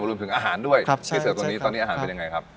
รวมถึงอาหารด้วยครับใช่ใช่ตอนนี้อาหารเป็นยังไงครับ